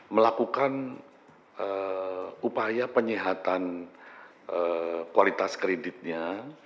melakukan upaya penyihatan kualitas kreditnya